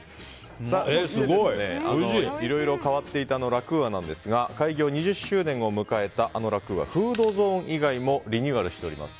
いろいろ変わっていたラクーアですが開業２０周年を迎えたラクーアフードゾーン以外もリニューアルしています。